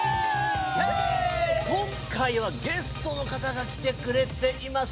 今回はゲストの方が来てくれています。